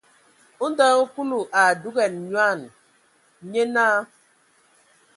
Ndo hm Kúlu a dúgan nyoan, nyé náa.